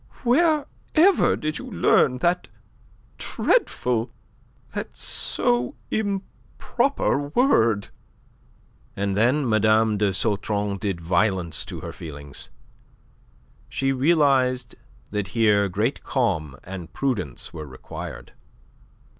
"Wherever did you learn that dreadful, that so improper word?" And then Mme. de Sautron did violence to her feelings. She realized that here great calm and prudence were required.